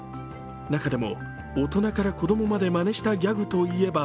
中でも大人から子供までまねしたギャグといえば